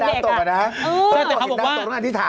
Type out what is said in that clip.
ความรู้จิตยนดาวน์ตกน่าวอธิษฐานเพราะว่า